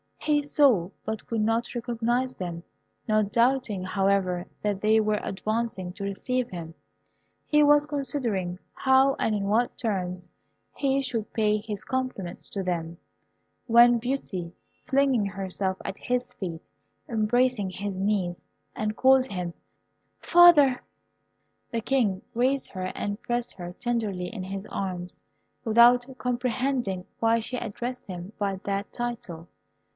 He saw, but could not recognize them; not doubting, however, that they were advancing to receive him, he was considering how and in what terms he should pay his compliments to them, when Beauty, flinging herself at his feet, embraced his knees, and called him "Father!" The King raised her and pressed her tenderly in his arms, without comprehending why she addressed him by that title.